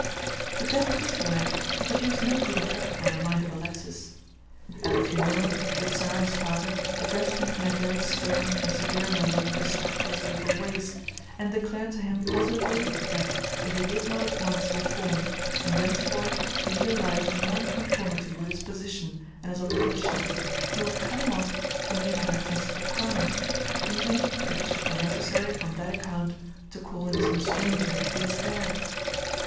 The death of his wife produced no good effect upon the mind of Alexis. At the funeral, the Czar his father addressed him in a very stern and severe manner in respect to his evil ways, and declared to him positively that, if he did not at once reform and thenceforth lead a life more in conformity with his position and his obligations, he would cut him off from the inheritance to the crown, even if it should be necessary, on that account, to call in some stranger to be his heir.